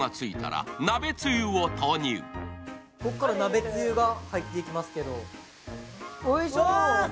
ここから鍋つゆが入っていきますけど。